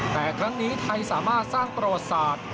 แต่ครั้งนี้ไทยสามารถสร้างประวัติศาสตร์